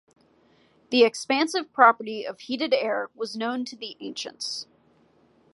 The expansive property of heated air was known to the ancients.